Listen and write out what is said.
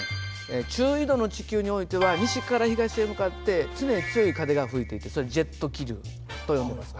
中緯度の地球においては西から東へ向かって常に強い風が吹いていてそれジェット気流と呼んでいます。